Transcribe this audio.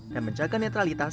dan menjaga netralitasnya